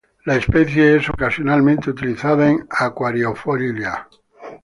La especie es ocasionalmente utilizada en acuariofilia.